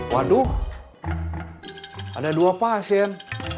waduh ada dua pasien